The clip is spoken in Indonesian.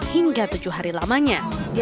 hingga tujuh hari lamanya